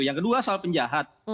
yang kedua soal penjahat